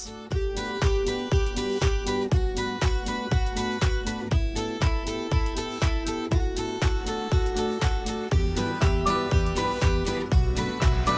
namun diaréu gr training